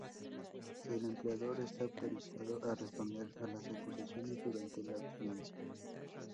El empleador está autorizado a responder a las acusaciones durante la audiencia.